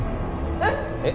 えっ？えっ？